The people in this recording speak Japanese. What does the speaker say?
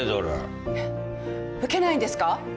えっ受けないんですか？